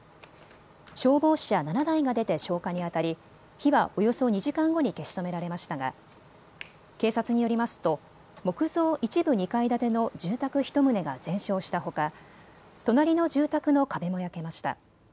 消防車７台が出て消火にあたり火はおよそ２時間後に消し止められましたが警察によりますと木造一部２階建ての住宅１棟が全焼したほか隣の住宅の壁も焼けました。